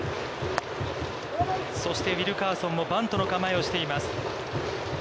そして、ウィルカーソンもバントの構えをしています。